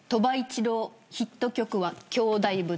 一郎ヒット曲は兄弟船。